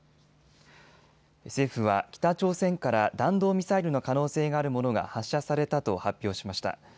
政府は北朝鮮から弾道ミサイルの可能性があるものが発射されたと発表しました。